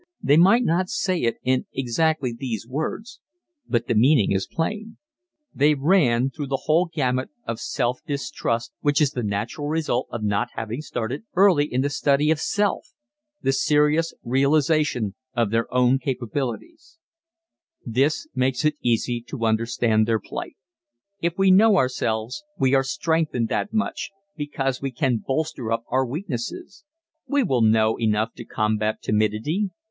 _" They may not say it in exactly these words but the meaning is plain. They ran through the whole gamut of self distrust which is the natural result of not having started early in the study of self the serious realization of their own capabilities. [Illustration: Preparing to Pair With the Prickly Pear] This makes it easy to understand their plight. If we know ourselves we are strengthened that much, because we can bolster up our weaknesses. We will know enough to combat timidity.